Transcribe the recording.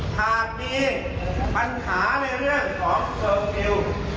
หากมีปัญหาในเรื่องของเคอร์ฟิลล์